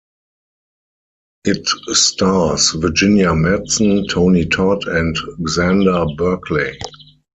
It stars Virginia Madsen, Tony Todd, and Xander Berkeley.